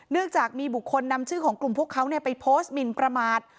จากมีบุคคลนำชื่อของกลุ่มพวกเขาไปโพสต์หมินประมาท